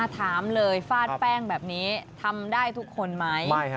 ถามเลยฟาดแป้งแบบนี้ทำได้ทุกคนไหม